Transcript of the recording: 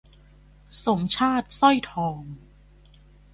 สมชาติ สร้อยทอง